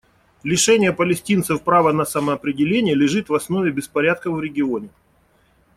Лишение палестинцев права на самоопределение лежит в основе беспорядков в регионе.